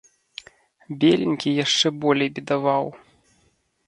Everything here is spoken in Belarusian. Беленькі яшчэ болей бедаваў.